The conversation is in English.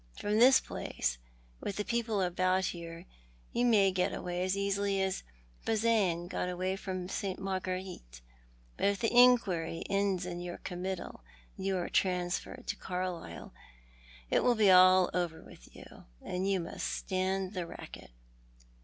From this place^with the people about here — you may get away as easily as Bazaine got away from St. Marguerite; but if the inquiry ends in your committal, and you are trans ferred to Carlisle, it will be all over with you, and you must stand the racket."